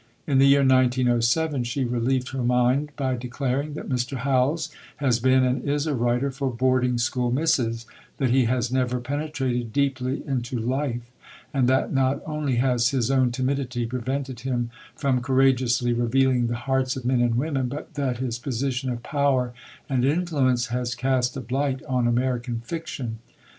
In the year 1907 she relieved her mind by declaring that Mr. Howells has been and is a writer for boarding school misses; that he has never penetrated deeply into life; and that not only has his own timidity prevented him from courageously revealing the hearts of men and women, but that his position of power and influence has cast a blight on American fiction.